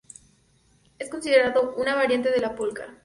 Es considerado una variante de la polka.